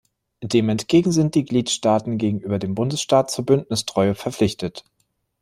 Dementgegen sind die Gliedstaaten gegenüber dem Bundesstaat zur Bündnistreue verpflichtet.